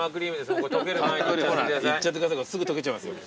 すぐ溶けちゃいますよ。